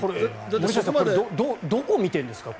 森末さん、ここでどこを見ているんですか？